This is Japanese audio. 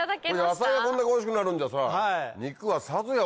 野菜がこんだけおいしくなるんじゃさ。